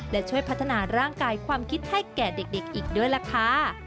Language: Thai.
และช่วยพัฒนาร่างกายความคิดให้แก่เด็กอีกด้วยล่ะค่ะ